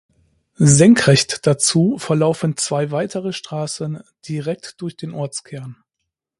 Senkrecht dazu verlaufen zwei weitere Straßen direkt durch den Ortskern.